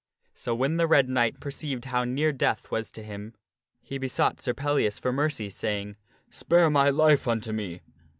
So when the Red Knight perceived how near death was to him he be sought Sir Pellias for mercy, saying, " Spare my life unto me